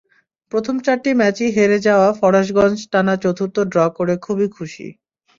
প্রথম চারটি ম্যাচই হেরে যাওয়া ফরাশগঞ্জ টানা চতুর্থ ড্র করে খুবই খুশি।